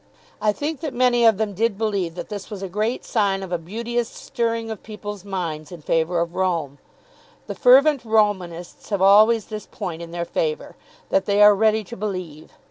I think that many of them did believe that this was a great sign of a beauteous stirring of people's minds in favour of Rome. The fervent Romanists have always this point in their favour, that they are ready to believe.